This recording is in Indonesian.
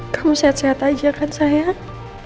kamu sehat sehat aja kan sayang